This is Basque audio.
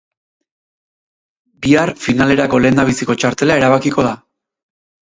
Bihar finalerako lehendabiziko txartela erabakiko da.